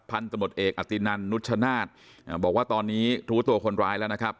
พันธมตเอกอตินันนุชชนาธิ์บอกว่าตอนนี้รู้ตัวคนร้ายแล้วนะครับ